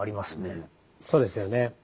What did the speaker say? そうですよね。